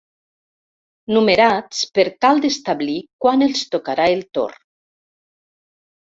Numerats per tal d'establir quan els tocarà el torn.